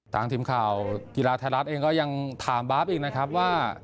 ทางทีมข่าวกีฬาไทยรัฐเองก็ยังถามบาปอีกนะครับว่า